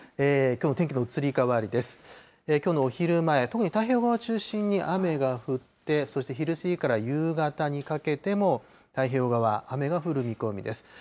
きょうのお昼前、特に太平洋側中心に雨が降って、そして昼過ぎから夕方にかけても、太平洋側、雨が降る見込みです。